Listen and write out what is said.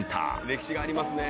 歴史がありますね。